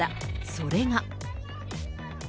それが。